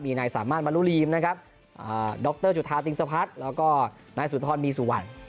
มีนายสามม่านบรรลุรีมนะครับดรจุธาติงสภัทรแล้วก็นายสุทธรบีสุวรรค์